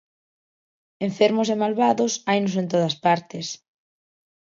Enfermos e malvados hainos en todas partes.